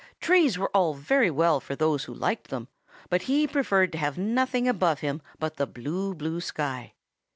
Trees were all very well for those who liked them, but he preferred to have nothing above him but the blue, blue sky.